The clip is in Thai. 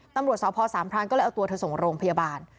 ตำรวจสพสามพรานก็เลยเอาตัวเธอส่งโรงพยาบาล